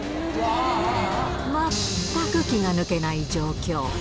全く気が抜けない状況。